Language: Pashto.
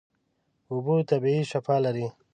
اوبه طبیعي شفاء لري.